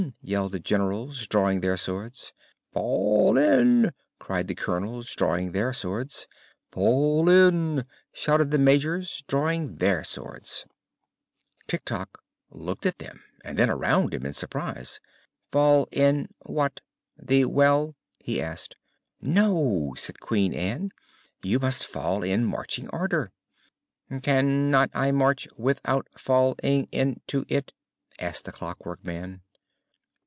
yelled the Generals, drawing their swords. "Fall in!" cried the Colonels, drawing their swords. "Fall in!" shouted the Majors, drawing their swords. "Fall in!" bawled the Captains, drawing their swords. Tik Tok looked at them and then around him in surprise. "Fall in what? The well?" he asked. "No," said Queen Ann, "you must fall in marching order." "Can not I march without fall ing in to it?" asked the Clockwork Man.